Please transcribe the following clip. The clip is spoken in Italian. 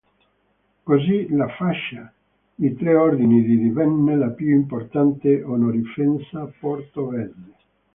Così, la fascia di tre ordini di divenne la più importante onorificenza portoghese.